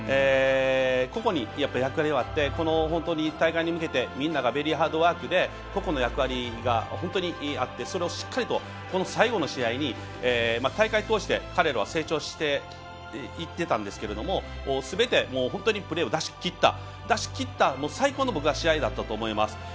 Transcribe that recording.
個々に役割があって大会に向けてみんながベリーハードワークで個々の役割が本当にあってそれをしっかりと最後の試合に大会を通して彼らは成長していってたんですがすべて本当にプレーを出しきった最高の試合だったと僕は思います。